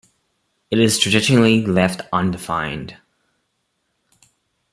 It is traditionally left undefined.